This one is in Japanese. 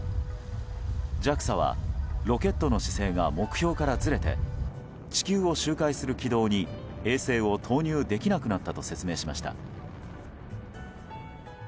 ＪＡＸＡは、ロケットの姿勢が目標からずれて地球を周回する軌道に衛星を投入できなくなったと説明しました。